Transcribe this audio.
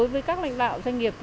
với các lãnh đạo doanh nghiệp